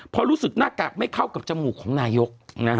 เพราะรู้สึกหน้ากากไม่เข้ากับจมูกของนายก